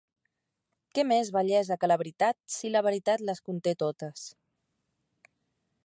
¿Què més bellesa que la veritat, si la veritat les conté totes?